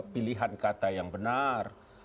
pilihan kata yang benar